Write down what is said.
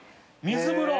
水風呂。